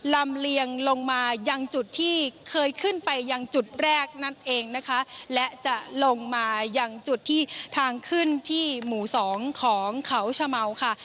ลำเลียงลงมายังจุดที่เคยขึ้นไปยังจุดแรกนั่นเองนะคะและจะลงมายังจุดที่ทางขึ้นที่หมู่สองของเขาชะเมาค่ะ